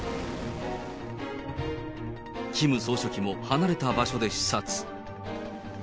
キム総書記も離れた場所で視察。